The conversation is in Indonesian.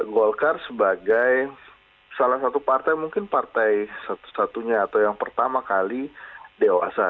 golkar sebagai salah satu partai mungkin partai satu satunya atau yang pertama kali dewasa